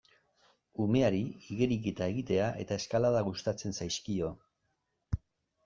Umeari igeriketa egitea eta eskalada gustatzen zaizkio.